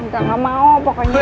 gak gak mau pokoknya